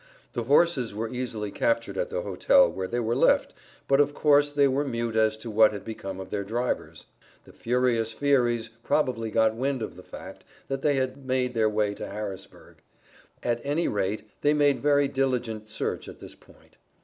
The horses were easily captured at the hotel, where they were left, but, of course, they were mute as to what had become of their drivers. The furious Fierys probably got wind of the fact, that they had made their way to Harrisburg. At any rate they made very diligent search at this point.